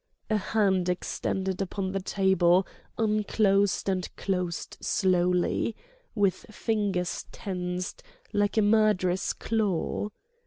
A hand extended upon the table unclosed and closed slowly, with fingers tensed, like a murderous claw.